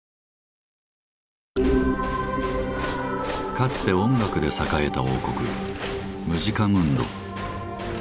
かつて音楽で栄えた王国「ムジカムンド」。